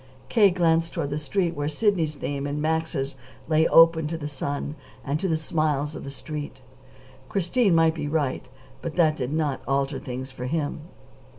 K. glanced toward the street where Sidney's name and Max's lay open to the sun and to the smiles of the Street. Christine might be right, but that did not alter things for him.